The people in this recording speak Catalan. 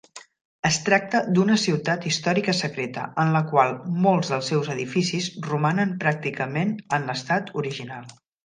Es tracta d'una ciutat històrica secreta, en la qual molts dels seus edificis romanen pràcticament en l'estat original.